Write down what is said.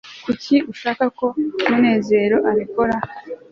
kuki ushaka ko munezero abikora